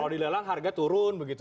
kalau dilelang harga turun begitu